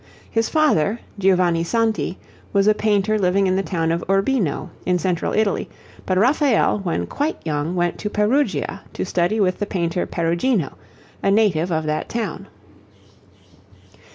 His father, Giovanni Santi, was a painter living in the town of Urbino, in Central Italy, but Raphael when quite young went to Perugia to study with the painter Perugino, a native of that town.